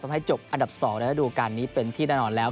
ต้องให้จบอันดับ๒แล้วดูกันนี้เป็นที่นอนแล้ว